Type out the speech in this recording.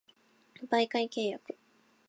媒介契約